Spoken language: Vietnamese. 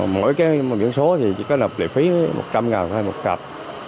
mỗi cái biển số thì chỉ có nộp lệ phí một trăm linh ngàn hay một cạp